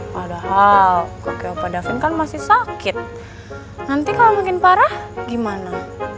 padahal kakek pak davin kan masih sakit nanti kalau makin parah gimana